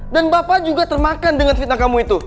dan bapak juga termakan dengan fitnah kamu itu